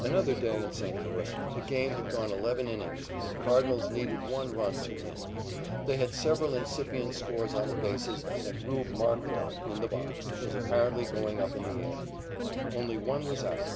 Another day in St. Louis the game had gone eleven innings, and the Cardinals needed one run to win. They had several incipient scores on the bases and "Rube" Marquard, in the box, was apparently going up in the air. Only one was out.